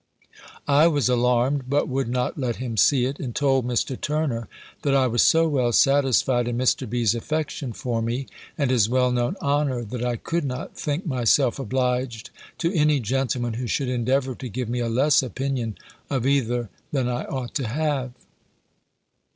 I was alarmed; but would not let him see it; and told Mr. Turner, that I was so well satisfied in Mr. B.'s affection for me, and his well known honour, that I could not think myself obliged to any gentleman who should endeavour to give me a less opinion of either than I ought to have.